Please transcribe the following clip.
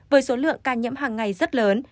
với số lượng ca nhiễm hàng ngày rất lớn